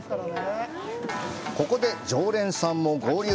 ここで常連さんも合流。